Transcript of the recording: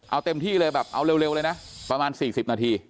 เอาเต็มที่เลยแบบเอาเร็วเลยนะประมาณ๔๐นาที